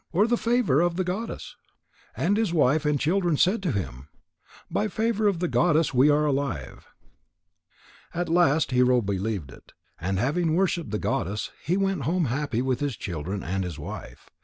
Or the favour of the goddess?" And his wife and children said to him: "By the favour of the goddess we are alive." At last Hero believed it, and having worshipped the goddess, he went home happy with his children and his wife.